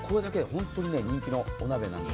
本当に人気のお鍋なんです。